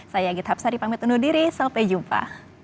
saya gita hapsari pamit undur diri sampai jumpa